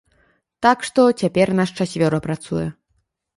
Так што цяпер нас чацвёра працуе.